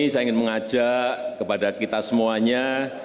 saya ingin mengajak kepada kita semuanya